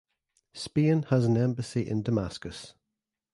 Spain has an embassy in Damascus.